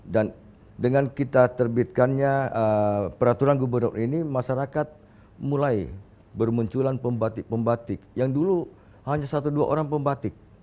dan dengan kita terbitkannya peraturan gubernur ini masyarakat mulai bermunculan pembatik pembatik yang dulu hanya satu dua orang pembatik